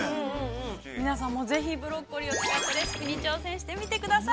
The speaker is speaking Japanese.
◆皆さんもぜひブロッコリーを使ってレシピに挑戦してみてください。